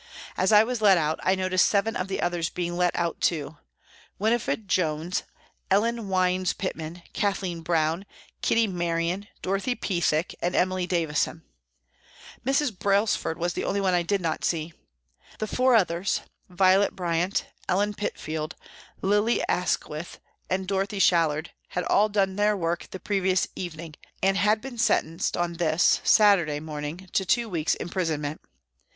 As I was let out I noticed seven of the others being let out too Winifred Jones, Ellen Wines Pitman, Kathleen Brown, Kitty Marion, Dorothy Pethick and Emily Davison. Mrs. Brailsford was the only one I did not see. The four others Violet Bryant, Ellen Pitfield, Lily Asquith and Dorothy Shallard had all done their work the previous evening, and had been sentenced on this, Saturday, morning to two weeks' imprisonment.